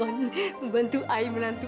kamu adalah pembantu dan menantuku